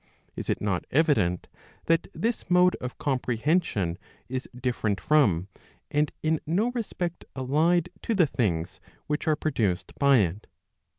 Is it not evident, that this mode of compre¬ hension is different from, and in no respect allied to the things which are produced by it